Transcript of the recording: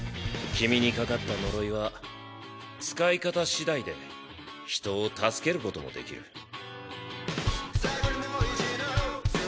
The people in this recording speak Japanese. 君にかかった呪いは使い方しだいで人を助けることもできる。